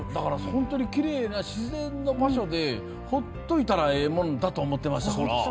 本当にきれいな自然の場所で放っておいたらええもんやと思ってましたから。